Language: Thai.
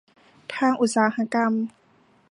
ทางอุตสาหกรรม